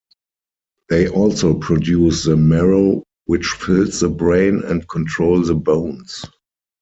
They also produce the Marrow which fills the brain and control the bones.